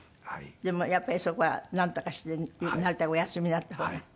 でもやっぱりそこはなんとかしてなるたけお休みになった方が。